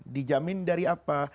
dijamin dari apa